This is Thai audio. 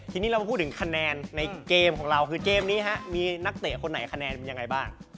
ทีนี้เรามาพูดถึงคะแนนในเกมของเราคือเกมนี้ฮะมีนักเตะคนไหนคะแนนยังไงบ้าง